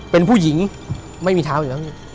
เป็นผู้หญิงไม่มีเท้าอยู่ข้างนี้